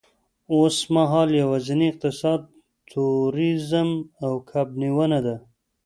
اوسمهال یوازېنی اقتصاد تورېزم او کب نیونه ده.